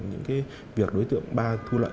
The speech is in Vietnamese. những việc đối tượng ba thu lại